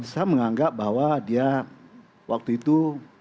saya menganggap bahwa dia waktu itu